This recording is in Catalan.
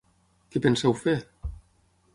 Què penseu fer?.